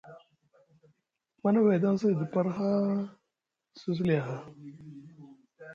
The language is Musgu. Manavay taŋsi edi par haa te sosi lii aha.